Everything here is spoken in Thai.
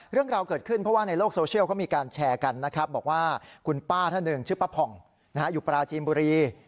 เรื่องราวเกิดขึ้นเพราะว่าในโลกโซเชียลเขามีการแชร์กันนะครับบอกว่าคุณป้าท่านหนึ่งชื่อป้าผ่องอยู่ปราจีนบุรี